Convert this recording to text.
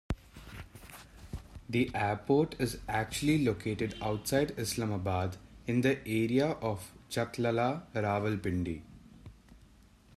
The airport is actually located outside Islamabad, in the area of Chaklala, Rawalpindi.